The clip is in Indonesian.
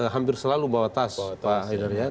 hampir selalu bawa tas pak